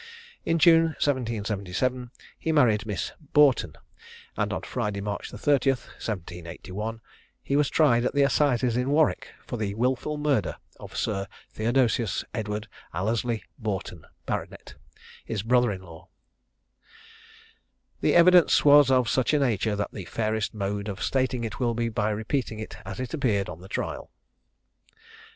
In June, 1777, he married Miss Boughton; and on Friday, March 30th, 1781, he was tried at the assizes at Warwick for the wilful murder of Sir Theodosius Edward Allesley Boughton, Bart., his brother in law. The evidence was of such a nature that the fairest mode of stating it will be by repeating it as it appeared on the trial.